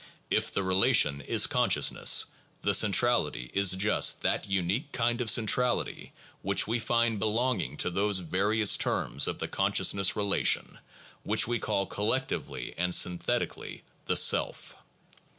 If the relation is consciousness, the centrality is just that unique kind of centrality which we find belonging to those various terms of the consciousness relation, which we call collectively and synthetically the self.